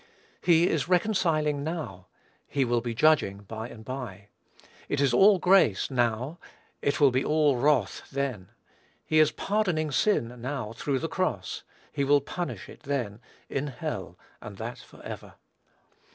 He is reconciling now, he will be judging by and by; it is all grace now; it will be all wrath then; he is pardoning sin now, through the cross; he will punish it then, in hell, and that forever.